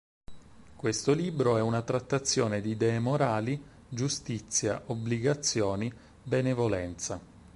Questo libro è una trattazione di idee morali, giustizia, obbligazioni, benevolenza.